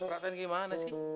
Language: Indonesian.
perhatian gimana sih